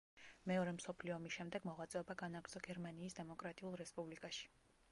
მეორე მსოფლიო ომის შემდეგ მოღვაწეობა განაგრძო გერმანიის დემოკრატიულ რესპუბლიკაში.